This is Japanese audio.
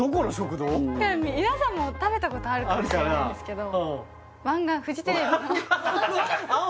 うん皆さんも食べたことあるかもしれないんですけどＡＯＭＩ？